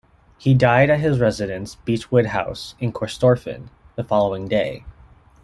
He died at his residence, Beechwood House in Corstorphine, the following day.